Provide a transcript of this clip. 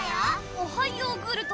おはヨーグルト。